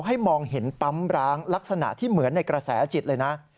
ให้มองเห็นปั๊มร้างลักษณะที่เหมือนในกระแสจิตเลยนะ